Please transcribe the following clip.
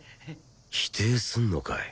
否定すんのかい